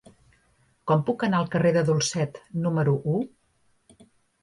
Com puc anar al carrer de Dulcet número u?